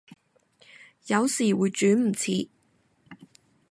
有時會轉唔切